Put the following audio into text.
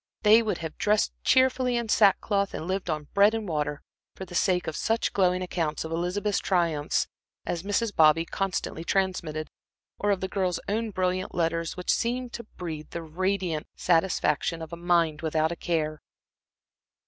They would have dressed cheerfully in sackcloth and lived on bread and water, for the sake of such glowing accounts of Elizabeth's triumphs as Mrs. Bobby constantly transmitted, or of the girl's own brilliant letters which seemed to breathe the radiant satisfaction of a mind without a care.